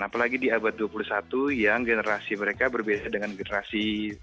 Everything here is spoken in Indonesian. apalagi di abad dua puluh satu yang generasi mereka berbeda dengan generasi